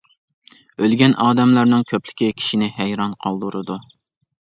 ئۆلگەن ئادەملەرنىڭ كۆپلۈكى كىشىنى ھەيران قالدۇرىدۇ.